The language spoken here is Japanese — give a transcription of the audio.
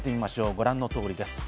ご覧の通りです。